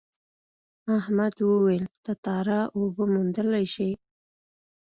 احمد وویل تتارا اوبه موندلی شي.